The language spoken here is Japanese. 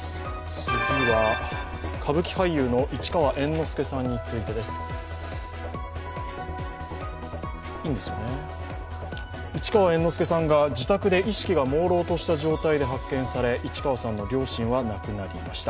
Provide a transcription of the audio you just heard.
次は、歌舞伎俳優の市川猿之助さんについてです。市川猿之助さんが自宅で意識がもうろうとした状態で発見され、市川さんの両親は亡くなりました。